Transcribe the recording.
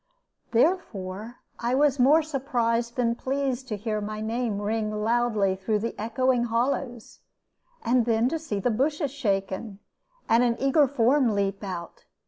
Therefore I was more surprised than pleased to hear my name ring loudly through the echoing hollows, and then to see the bushes shaken, and an eager form leap out.